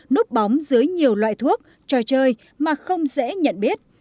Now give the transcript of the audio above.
núp bóng dưới nhiều loại thuốc trò chơi mà không dễ nhận biết